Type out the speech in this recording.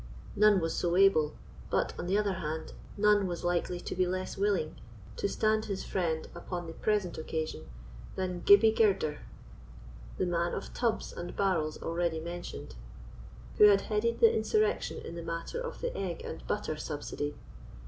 None was so able—but, on the other hand, none was likely to be less willing—to stand his friend upon the present occasion, than Gibbie Girder, the man of tubs and barrels already mentioned, who had headed the insurrection in the matter of the egg and butter subsidy.